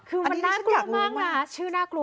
คือมันน่ากลัวมากนะชื่อน่ากลัว